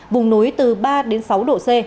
vùng núi từ ba sáu độ c